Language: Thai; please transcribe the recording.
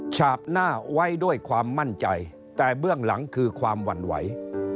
ฉาบหน้าไว้ด้วยความมั่นใจแต่เบื้องหลังคือความหวั่นไหว